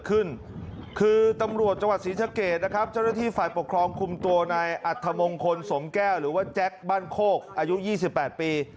คือตำรวจจังหวัดศรีสะเกดนะครับเจ้าหน้าที่ฝ่ายปกครองคุมตัวในอัธมงคลสงแก้วหรือว่าแจ็คบ้านโคกอายุ๒๘ปี